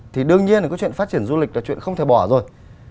thì đương nhiên là cái chuyện phát triển du lịch là chuyện không thể bỏ rồi